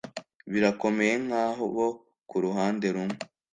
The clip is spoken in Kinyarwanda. Birakomeye nkabo kuruhande rumwe